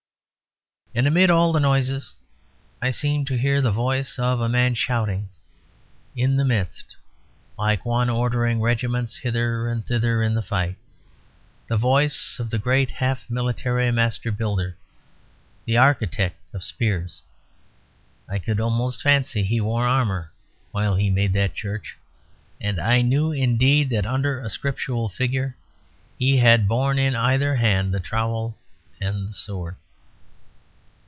And amid all the noises I seemed to hear the voice of a man shouting in the midst like one ordering regiments hither and thither in the fight; the voice of the great half military master builder; the architect of spears. I could almost fancy he wore armour while he made that church; and I knew indeed that, under a scriptural figure, he had borne in either hand the trowel and the sword.